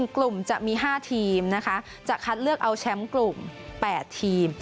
กลุ่มจะมี๕ทีมนะคะจะคัดเลือกเอาแชมป์กลุ่ม๘ทีม